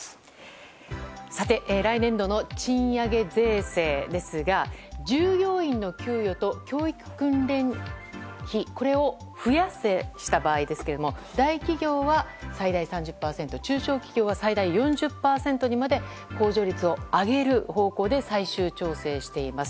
さて、来年度の賃上げ税制ですが従業員の給与と教育訓練費を増やした場合ですけども大企業は最大３０％中小企業は最大４０％にまで控除率を上げる方向で最終調整しています。